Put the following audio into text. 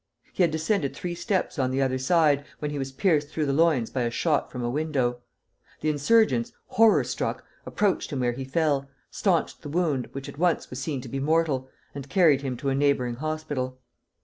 He had descended three steps on the other side, when he was pierced through the loins by a shot from a window. The insurgents, horror struck, approached him where he fell, stanched the wound, which at once was seen to be mortal, and carried him to a neighboring hospital.